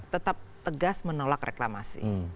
tetap tegas menolak reklamasi